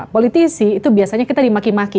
politisi itu biasanya kita dimaki maki